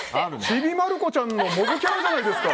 「ちびまる子ちゃん」のモブキャラじゃないですか！